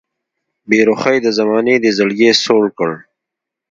بې رخۍ د زمانې دې زړګی سوړ کړ